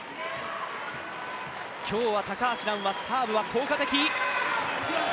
今日は高橋藍はサーブは効果的。